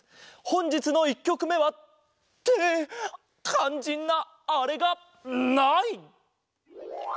ほんじつの１きょくめは。ってかんじんなあれがない！